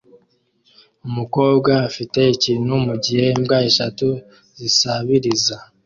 Umukobwa afite ikintu mugihe imbwa eshatu zisabiriza